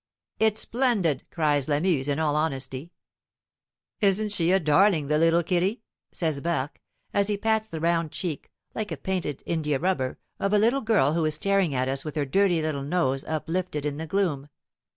"It's splendid," cries Lamuse, in all honesty. "Isn't she a darling, the little kiddie!" says Barque, as he pats the round cheek, like painted india rubber, of a little girl who is staring at us with her dirty little nose uplifted in the gloom.